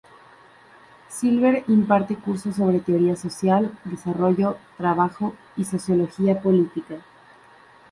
Silver imparte cursos sobre teoría social, desarrollo, trabajo y sociología política.